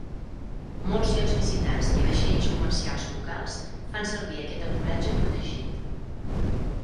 Molts iots visitants i vaixells comercials locals fan servir aquest ancoratge protegit.